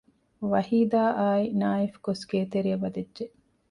ވަހީދާ އާއި ނާއިފް ގޮސް ގޭތެރެއަށް ވަދެއްޖެ